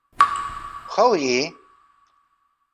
How Ye?